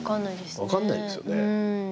分かんないですよね。